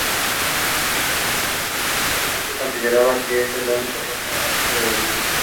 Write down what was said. Mackintosh consideraba que esta era la única forma honesta de diseñar.